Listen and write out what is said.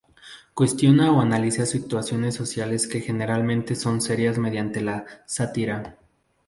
Cuestiona o analiza situaciones sociales que generalmente son serias mediante la sátira.